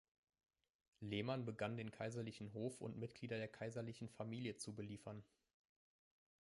Lehmann begann den kaiserlichen Hof und Mitglieder der kaiserlichen Familie zu beliefern.